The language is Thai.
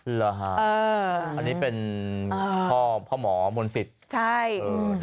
เหรอฮะเอออันนี้เป็นพ่อพ่อหมอมนติดใช่เออนะครับ